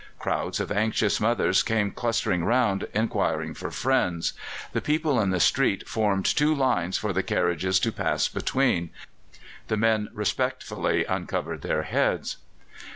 Crowds of anxious mothers came clustering round, inquiring for friends. The people in the street formed two lines for the carriages to pass between; the men respectfully uncovered their heads.